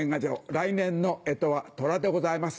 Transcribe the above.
来年の干支は寅でございます。